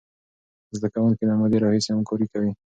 زده کوونکي له مودې راهیسې همکاري کوي.